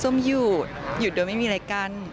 ส้มหยุดโดยไม่มีอะไรกัน